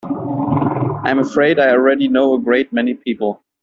I'm afraid I already know a great many people.